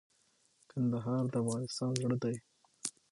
کندهار د افغانستان زړه دي